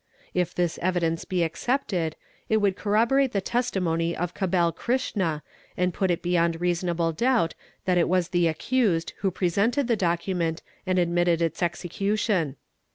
If this evidence be accepted, it — would corroborate the testimony of Kabel Krishna, and put it beyond — reasonable doubt that 1t was the accused who presented the document and admitted its execution.